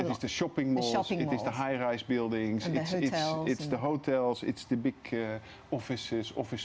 ini adalah mall pembelian ini adalah bangunan tinggi ini adalah hotel ini adalah ruang ofis besar ruang ofis